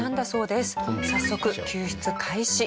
早速救出開始。